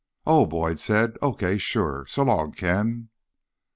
"Oh," Boyd said. "Okay. Sure. So long, Ken."